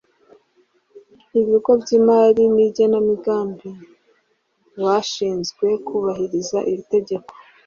Ibigo by’imari n’ igenamigambi bashinzwe kubahiriza iri tegeko